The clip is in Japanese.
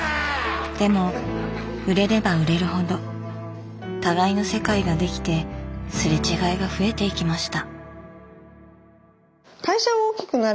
でも売れれば売れるほど互いの世界ができてすれ違いが増えていきました。